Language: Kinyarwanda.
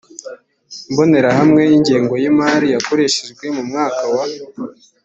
imbonerahamwe ya ingengo y imari yakoreshejwe mu mwaka wa